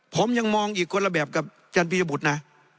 ผมยังมองอีกคนละแบบกับอาจารย์ปียบุตรนะ